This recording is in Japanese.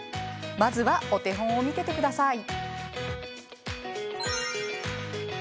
まずはお手本を見ててください。